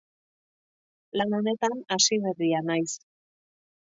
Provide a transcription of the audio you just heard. Lan honetan hasiberria naiz.